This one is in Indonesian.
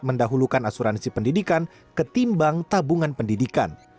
mendahulukan asuransi pendidikan ketimbang tabungan pendidikan